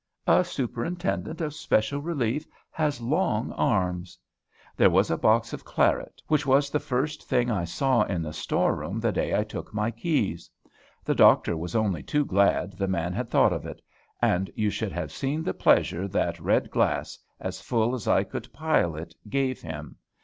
A superintendent of special relief has long arms. There was a box of claret, which was the first thing I saw in the store room the day I took my keys. The doctor was only too glad the man had thought of it; and you should have seen the pleasure that red glass, as full as I could pile it, gave him.